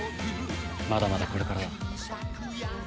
まだまだこれからだ。